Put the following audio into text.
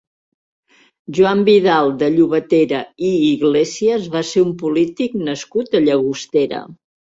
Joan Vidal de Llobatera i Iglesias va ser un polític nascut a Llagostera.